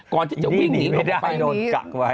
ก่อนที่จะวิ่งหนีลงไปนี่หนีไม่ได้โดนกักไว้